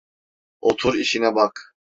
Otur işine bak!